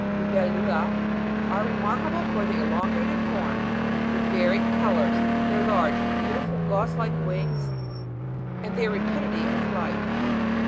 The Dragon files (figAl) Libel' Ma are remarkable for their elongated form, their varied colours, their large, beautiful, gauze like wings, and their rapidity of flight.